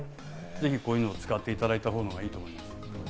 こういうのを使っていただいた方がいいと思います。